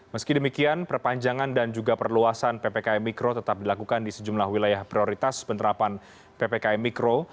meski demikian perpanjangan dan juga perluasan ppkm mikro tetap dilakukan di sejumlah wilayah prioritas penerapan ppkm mikro